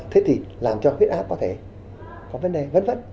thế thì làm cho huyết áp có thể có vấn đề vấn vấn